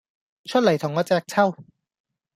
出黎同我隻揪!